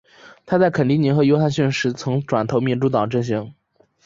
她在肯尼迪和约翰逊时期曾转投民主党阵型。